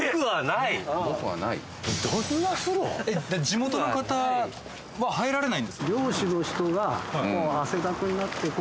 地元の方は入られないんですか？